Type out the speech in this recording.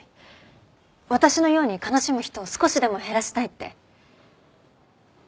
私のように悲しむ人を少しでも減らしたいって。